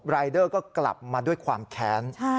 รายเดอร์ก็กลับมาด้วยความแค้น